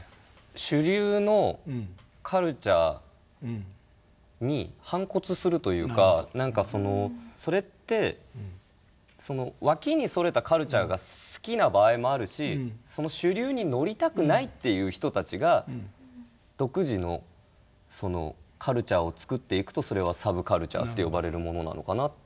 主流のカルチャーに反骨するというか何かそれって脇にそれたカルチャーが好きな場合もあるしその主流に乗りたくないという人たちが独自のカルチャーを作っていくとそれはサブカルチャーと呼ばれるものなのかなって思います。